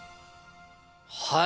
はい。